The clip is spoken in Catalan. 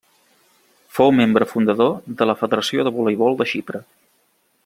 Fou membre fundador de la Federació de Voleibol de Xipre.